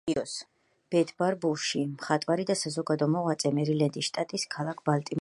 ბეთ ბარბუში მხატვარი და საზოგადო მოღვაწე მერილენდის შტატის ქალაქ ბალტიმორში ცხოვრობს.